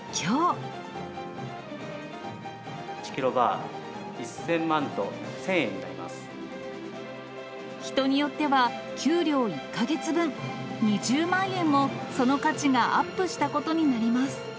１キロバー１０００万と人によっては、給料１か月分、２０万円もその価値がアップしたことになります。